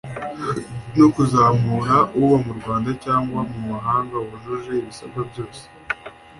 no kuzamura, uba mu Rwanda cyangwa mu mahanga wujuje ibisabwa byose